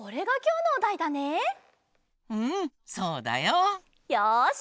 うんそうだよ。よし！